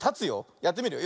やってみるよ。